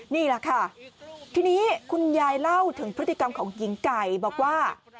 นี่แหละค่ะทีนี้คุณยายเล่าถึงพฤติกรรมของหญิงไก่บอกว่า